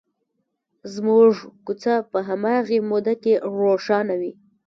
زموږ کوڅه په هماغې موده کې روښانه وي.